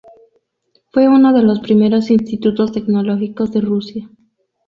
Fue uno de los primeros Institutos Tecnológicos de Rusia.